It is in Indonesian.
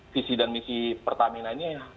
visi dan misi pertamina ini